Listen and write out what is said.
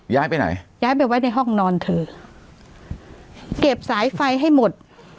ย้ายไปไหนย้ายไปไว้ในห้องนอนเธอเก็บสายไฟให้หมด